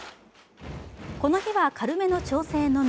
この日は軽めの調整のみ。